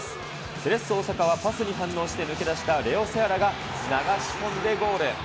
セレッソ大阪はパスに反応して抜け出したレオ・セアラが流し込んでゴール。